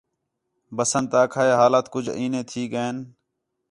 بسنٹ آکھا ہِے حالات کُج اینے تھی ڳئین